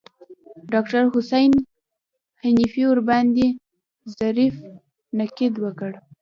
ډاکتر حسن حنفي ورباندې ظریف نقد وکړ.